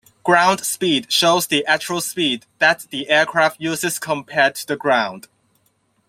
Ground speed shows the actual speed that the aircraft uses compared to the ground.